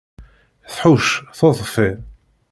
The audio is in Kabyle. Tḥucc, teḍfi.